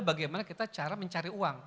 bagaimana kita cara mencari uang